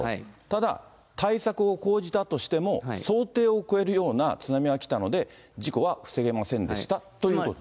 ただ、対策を講じたとしても、想定を超えるような津波が来たので、事故は防げませんでしたということ。